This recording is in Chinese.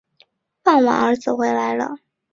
傍晚儿子回来了